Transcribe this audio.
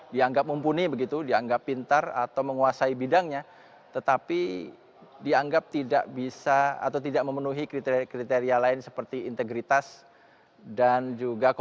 dianggap mumpuni begitu dianggap pintar atau menguasai bidangnya tetapi dianggap tidak bisa atau tidak memenuhi kriteria kriteria lain seperti integritas dan juga komitmen